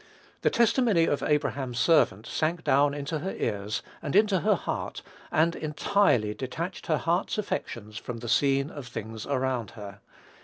The testimony of Abraham's servant sank down into her ears, and into her heart, and entirely detached her heart's affections from the scene of things around her.